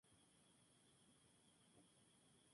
Zona de Chacras, hasta Avda. Eva Perón, Bo.